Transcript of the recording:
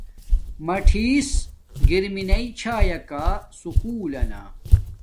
ماٹھیس گیر میناݵ چھاݵݵ سکُول لنا